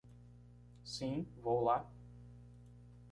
Sim, vou lá.